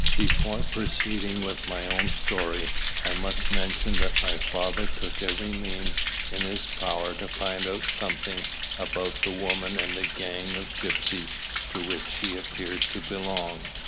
Before proceeding with my own story, I must mention that my father took every means in his power to find out something about the woman and the gang of gypsies to which she appeared to belong.